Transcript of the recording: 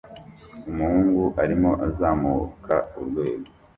Umuhungu arimo azamuka urwego